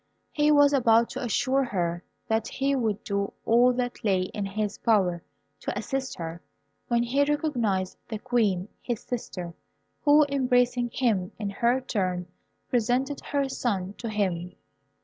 He was about to assure her that he would do all that lay in his power to assist her, when he recognized the Queen his sister, who, embracing him in her turn, presented her son to him.